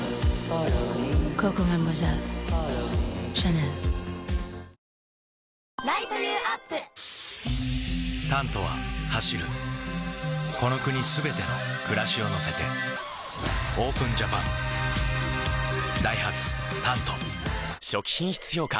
Ｎｏ．１「タント」は走るこの国すべての暮らしを乗せてＯＰＥＮＪＡＰＡＮダイハツ「タント」初期品質評価